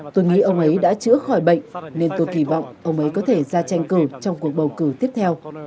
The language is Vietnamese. tôi nghĩ ông ấy đã chữa khỏi bệnh nên tôi kỳ vọng ông ấy có thể ra tranh cử trong cuộc bầu cử tiếp theo